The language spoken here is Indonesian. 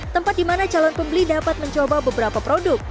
tempat di mana calon pembeli dapat mencoba beberapa produk